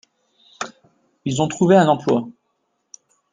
Ils ont trouvés un emploi.